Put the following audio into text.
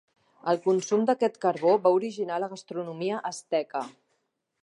El consum d'aquest carbó va originar la gastronomia asteca.